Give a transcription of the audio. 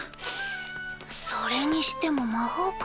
それにしても魔法か。